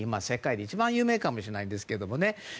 世界で一番有名かもしれないんですけどね。